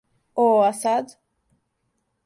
О, а сад?